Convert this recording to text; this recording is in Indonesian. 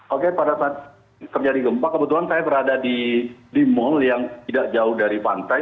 oke pada saat terjadi gempa kebetulan saya berada di mal yang tidak jauh dari pantai